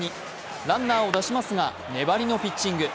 ランナーを出しますが、粘りのピッチング。